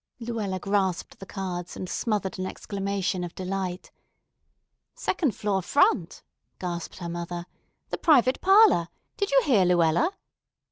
Luella grasped the cards and smothered an exclamation of delight. "Second floor, front," gasped her mother. "The private parlor! Did you hear, Luella?"